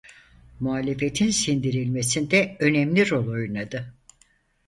Muhalefetin sindirilmesinde önemli rol oynadı.